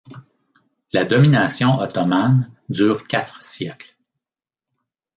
La domination ottomane dure quatre siècles.